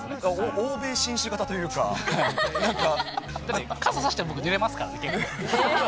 欧米新種型というか、だって、傘差しても僕、ぬれますからね、逆に。